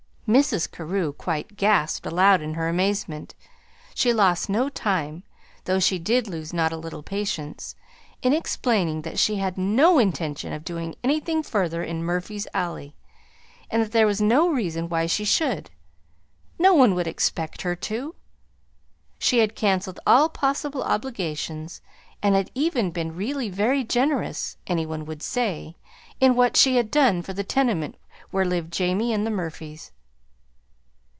Mrs. Carew quite gasped aloud in her amazement. She lost no time though she did lose not a little patience in explaining that she had no intention of doing anything further in "Murphy's Alley," and that there was no reason why she should. No one would expect her to. She had canceled all possible obligations, and had even been really very generous, any one would say, in what she had done for the tenement where lived Jamie and the Murphys.